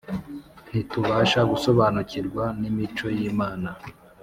Ntitubasha gusobanukirwa n’imico y’Imana